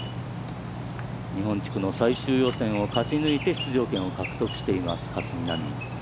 日本地区の最終予選を勝ち抜いて出場権を獲得しています、勝みなみ。